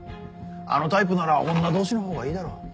あのタイプなら女同士のほうがいいだろう。